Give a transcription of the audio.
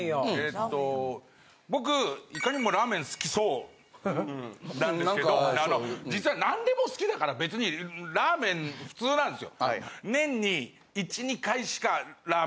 僕いかにもラーメン好きそうなんですけど実はなんでも好きだから別にラーメン普通なんですよ。へえ。